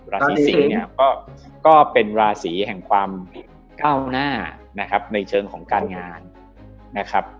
ราศีสิงศ์เนี่ยก็เป็นราศีแห่งความก้าวหน้านะครับในเชิงของการงานนะครับ